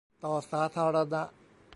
ต่อสาธารณะ